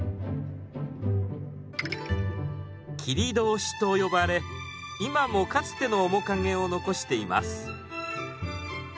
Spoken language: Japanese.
切通しと呼ばれ今もかつての面影を残しています。